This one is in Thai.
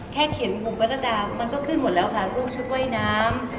เขียนมุมกรดามันก็ขึ้นหมดแล้วค่ะรูปชุดว่ายน้ำ